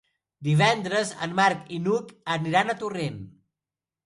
Divendres en Marc i n'Hug iran a Torrent.